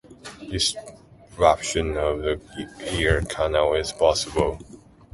Disruption of the ear canal is possible.